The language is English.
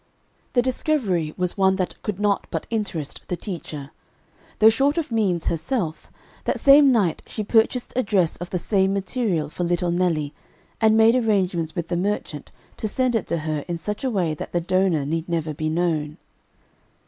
The discovery was one that could not but interest the teacher. Though short of means herself, that same night she purchased a dress of the same material for little Nelly, and made arrangements with the merchant to send it to her in such a way that the donor need never be known.